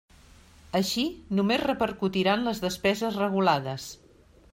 Així, només repercutiran les despeses regulades.